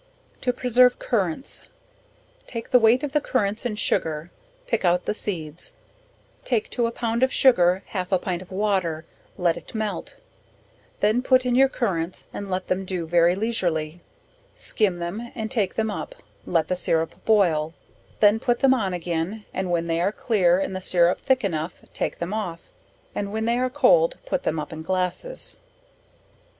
To preserve Currants. Take the weight of the currants in sugar, pick out the seeds; take to a pound of sugar, half a pint of water, let it melt; then put in your currants and let them do very leisurely, skim them, and take them up, let the sirrup boil; then put them on again; and when they are clear, and the sirrup thick enough, take them off; and when they are cold, put them up in glasses.